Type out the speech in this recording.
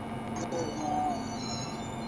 Howard Hansen was the team captain.